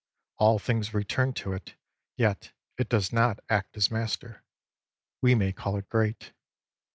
All things return to it, yet it does not act as master. We may call it great.